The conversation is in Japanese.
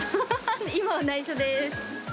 今は内緒でーす。